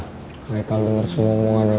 coba aja haikal denger semua omongan lo boy